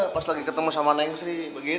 pas lagi ketemu sama neng sri